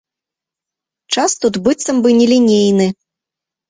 Час тут быццам бы нелінейны.